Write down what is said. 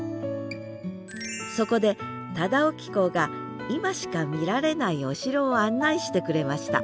そこで忠興公が今しか見られないお城を案内してくれました